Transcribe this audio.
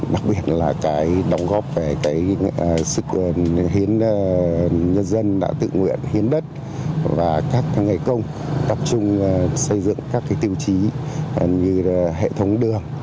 đặc biệt là cái đóng góp về cái sức hiến nhân dân đã tự nguyện hiến đất và các ngày công tập trung xây dựng các tiêu chí như hệ thống đường